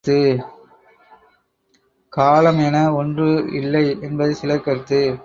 காலம் என ஒன்று இல்லை என்பது சிலர் கருத்து.